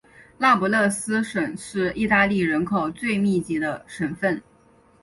那不勒斯省是意大利人口最密集的省份。